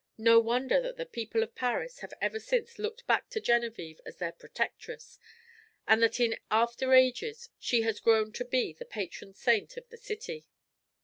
No wonder that the people of Paris have ever since looked back to Genevieve as their protectress, and that in after ages she has grown to be the patron saint of the city.